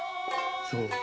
そう。